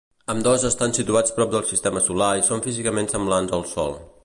Ambdós estan situats prop del sistema solar i són físicament semblants al sol.